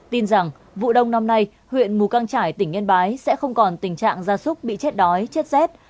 tin rằng vụ đông năm nay huyện mù căng trải tỉnh yên bái sẽ không còn tình trạng gia súc bị chết đói chết rét